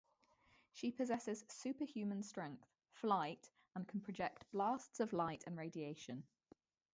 She possesses super-human strength, flight and can project blasts of light and radiation.